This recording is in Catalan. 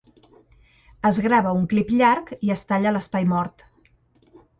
Es grava un clip llarg i es talla l'espai mort.